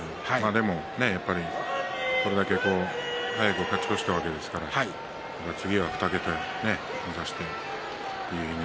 でもこれだけ早く勝ち越したわけですから次は２桁を目指して。